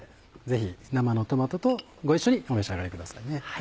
ぜひ生のトマトとご一緒にお召し上がりくださいね。